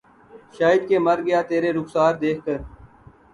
شاید کہ مر گیا ترے رخسار دیکھ کر